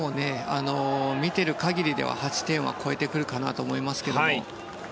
見ている限りでは８点は超えてくるかと思いますが。